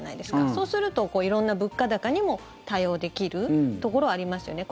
そうすると色んな物価高にも対応できるところはありますよね